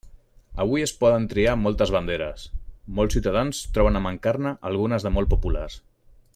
Avui es poden triar moltes banderes, molts ciutadans troben a mancar-ne algunes de molt populars.